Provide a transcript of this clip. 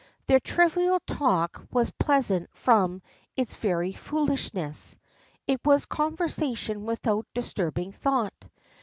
Their trivial talk was pleasant from its very foolishness. It was conversation without disturbing thought.